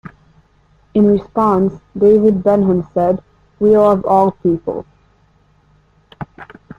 In response, David Benham said: We love all people.